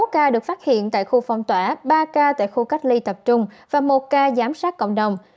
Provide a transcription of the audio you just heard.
sáu ca được phát hiện tại khu phong tỏa ba ca tại khu cách ly tập trung và một ca giám sát cộng đồng